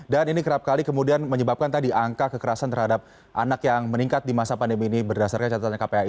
dan ini kerap kali kemudian menyebabkan tadi angka kekerasan terhadap anak yang meningkat di masa pandemi ini berdasarkan catatan kpi